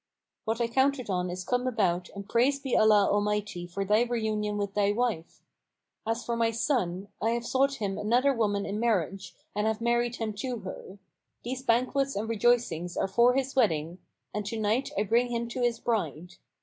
What I counted on is come about and praised be Allah Almighty for thy reunion with thy wife! As for my son, I have sought him another woman in marriage and have married him to her: these banquets and rejoicings are for his wedding, and to night I bring him to his bride.